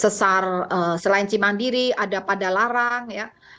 sesar selain cimandiri ada pada larang ya